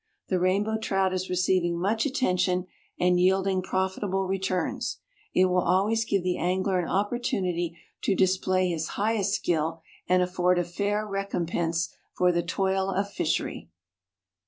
The Rainbow Trout is receiving much attention and yielding profitable returns. It will always give the angler an opportunity to display his highest skill, and afford a fair recompense for the toil of fishery.